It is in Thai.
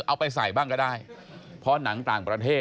เอาไปใส่บ้างก็ได้เพราะหนังต่างประเทศ